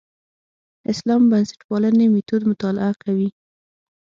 اسلام بنسټپالنې میتود مطالعه کوي.